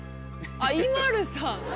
あっＩＭＡＬＵさん。